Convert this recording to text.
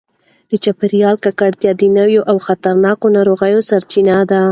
د چاپیریال ککړتیا د نویو او خطرناکو ناروغیو سرچینه ده.